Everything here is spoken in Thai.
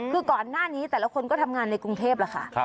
คือก่อนหน้านี้แต่ละคนก็ทำงานในกรุงเทพแล้วค่ะ